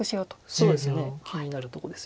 そうですね気になるとこです。